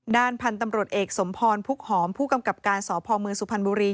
ด้านพันธุ์ตำรวจเอกสมพรพุกหอมผู้กำกับการสพมสุพรรณบุรี